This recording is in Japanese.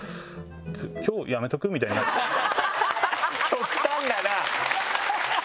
極端だな！